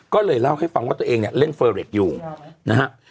ก็เลยเล่าให้ฟังว่าตัวเองเนี่ยเล่นเฟอร์เรคอยู่นะฮะ